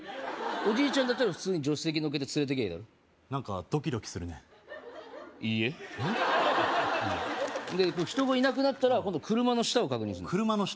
おじいちゃんだったら普通に助手席のっけて連れてきゃいいだろ何かドキドキするねいいえ人がいなくなったら今度車の下を確認するの車の下？